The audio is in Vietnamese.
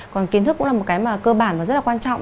còn kiến thức cũng là một cái mà cơ bản và rất là quan trọng